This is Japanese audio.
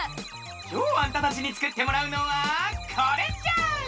きょうあんたたちにつくってもらうのはこれじゃ！